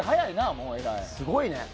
すごいよね。